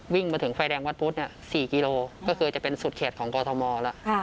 วิ่งมาถึงไฟแดงวัดพุทธ๔กิโลก็คือจะเป็นสุดเขตของกรทมแล้ว